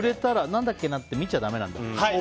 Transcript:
何だっけなって見ちゃいけないんだ。